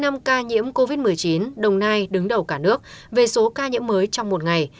với chín trăm linh năm ca nhiễm covid một mươi chín đồng nai đứng đầu cả nước về số ca nhiễm mới trong một ngày